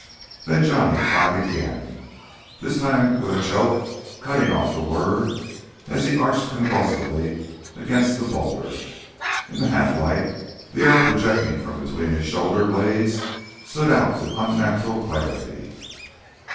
Then Johnny cried again, this time with a choke cutting off the word as he arched convulsively against the boulder. In the half light the arrow projecting from between his shoulder blades stood out with unnatural clarity.